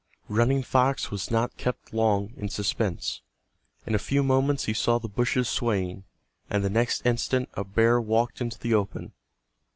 Running Fox was not kept long in suspense. In a few moments he saw the bushes swaying, and the next instant a bear walked into the open.